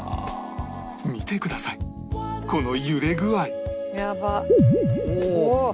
見てくださいこの揺れ具合やばっ。